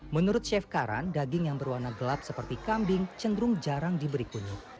menurut chef karan daging yang berwarna gelap seperti kambing cenderung jarang diberi kunyit